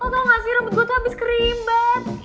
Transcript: tau gak sih rambut gue tuh habis keribet